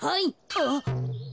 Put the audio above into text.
あっ。